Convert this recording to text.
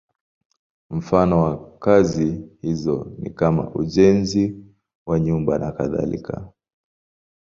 Mfano wa kazi hizo ni kama ujenzi wa nyumba nakadhalika.